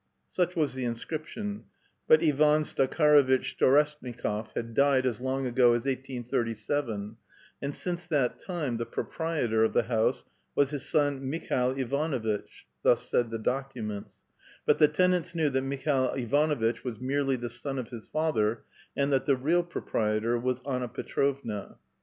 Such was the inscription ; but Ivan Zakharuitch Storeshni kof had died as long ago as 1837, and since that time the proprietor {khozydtn) of the house was his son Mikhail Ivanovitch (thus said the documents) ; but the tenants knew that Mikhail Ivanovitch was merely the son of his father, and that the real proprietor was Anna Petrovna.